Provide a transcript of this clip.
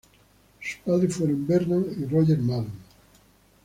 Sus padres fueron Verna y Roger Madden.